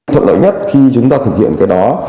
thuận lợi nhất khi chúng ta thực hiện cái đó